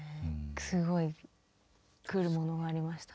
すごいくるものがありました。